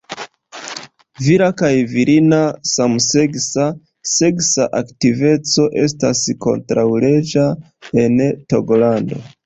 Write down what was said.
Vira kaj virina samseksa seksa aktiveco estas kontraŭleĝa en Togolando.